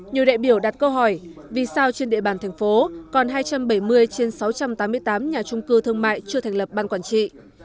nhiều đại biểu đặt câu hỏi vì sao trên địa bàn thành phố còn hai trăm bảy mươi trên sáu trăm tám mươi tám nhà trung cư thương mại chưa thành lập ban quản trị